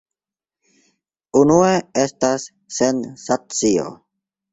Unue estas sensacio.